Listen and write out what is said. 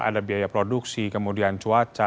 ada biaya produksi kemudian cuaca